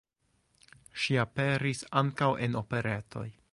Ŝi aperis ankaŭ en operetoj.